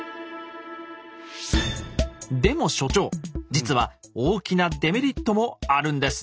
でも所長実は大きなデメリットもあるんです。